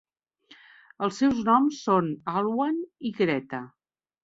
Els seus noms són Alwan i Greta.